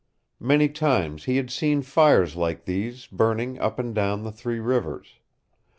Many times he had seen fires like these burning up and down the Three Rivers.